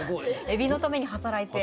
海老のために働いて。